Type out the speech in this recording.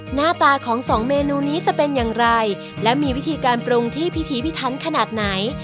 หน้าตาของสองเมนูนี้จะเป็นอย่างไรและมีวิธีการปรุงที่พิธีพิทันขนาดไหน